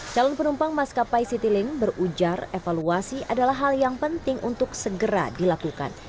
calon penumpang maskapai citylink berujar evaluasi adalah hal yang penting untuk segera dilakukan